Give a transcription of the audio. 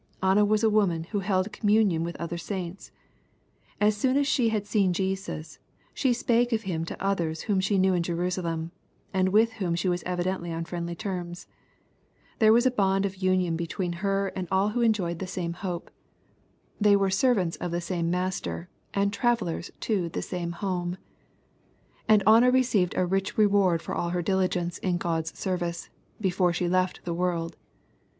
Anna was a woman who held communion with other saints. So soon as she had seen Jesus, she ^^ spake of Him" to others whom she knew in Jerusalem, and with whom she was evidently on friendly terms. There was a l)ond of union between her and aU who enjoyed the 4 74 EXPOSITORY THOUGHTS. same hope. They were servants of the same Master^ and travellers to the same home. And Anna received a rich reward for all her diligence in God's service, before she left the world.